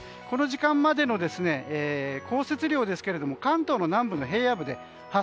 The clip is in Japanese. この時間までの降雪量ですが関東の南部の平野部で８ｃｍ